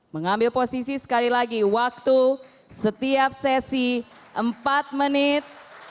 mengambil posisi sekali lagi waktu setiap sesi empat menit